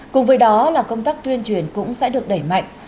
cùng với đó là công tác tuyên truyền cũng sẽ được đẩy mạnh